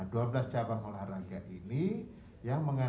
nah dua belas cabang olahraga ini yang menggunakan